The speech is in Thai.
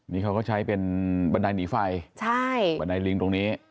นี่เขาก็ใช้เป็นบันไดหนีไฟใช่บันไดลิงตรงนี้